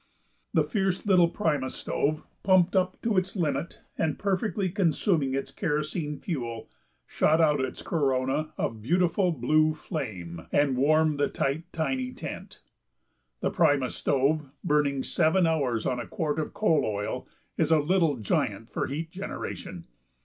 The fierce little primus stove, pumped up to its limit and perfectly consuming its kerosene fuel, shot out its corona of beautiful blue flame and warmed the tight, tiny tent. The primus stove, burning seven hours on a quart of coal oil, is a little giant for heat generation.